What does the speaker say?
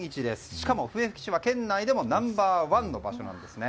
しかも笛吹市は県内でもナンバー１の場所なんですね。